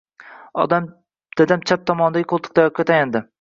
Dadam chap tomonidagi qoʻltiqtayoqqa tayandi.